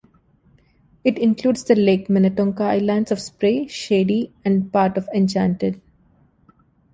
It includes the Lake Minnetonka islands of Spray, Shady, and part of Enchanted.